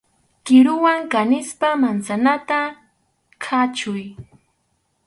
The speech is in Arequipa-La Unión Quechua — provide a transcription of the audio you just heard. Kiruwan kanispa mansanata khachuy.